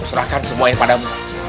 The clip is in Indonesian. usurahkan semua yang padamu